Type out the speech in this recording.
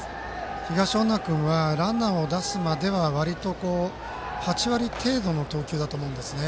東恩納君はランナーを出すまではわりと、８割程度の投球だと思うんですね。